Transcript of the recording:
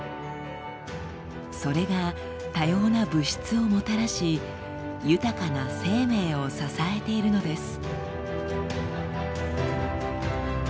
それが多様な物質をもたらし豊かな生命を支えているのです。